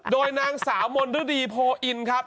โดยนางสาวมนฤดีโพอินครับ